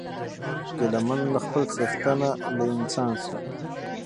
ګیله من له خپل څښتنه له انسان سو